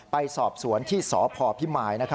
ไปสอบสวนที่สพพิมร์นะครับ